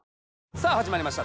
さぁ始まりました